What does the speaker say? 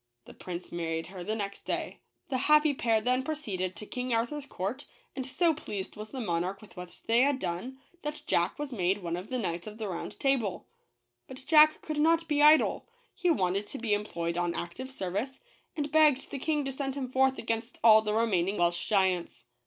The prince married her the next day. The happy pair then pro 177 JACK THE GIANT KILLER. ceeded to King Arthur's court, and so pleased was the mon arch with what they had done, that Jack was made one of the Knights of the Round Table. But Jack could not be idle. He wanted to be employed on active service, and begged the King to send him forth against all the remaining Welsh giants.